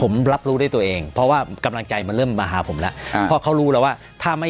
ผมรับรู้ด้วยตัวเองเพราะว่ากำลังใจมันเริ่มมาหาผมแล้วเพราะเขารู้แล้วว่าถ้าไม่